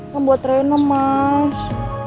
kan buat rena mas